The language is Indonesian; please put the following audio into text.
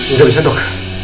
udah bisa dok